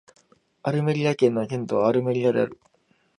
アルメリア県の県都はアルメリアである